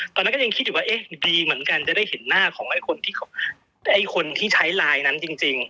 ตอนนั้นก็ยังคิดอยู่ว่าเอ๊ะดีเหมือนกันจะได้เห็นหน้าของคนที่ใช้ไลน์นั้นจริง